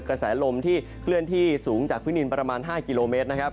กระแสลมที่เคลื่อนที่สูงจากพื้นดินประมาณ๕กิโลเมตรนะครับ